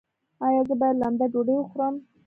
ایا زه باید لمده ډوډۍ وخورم؟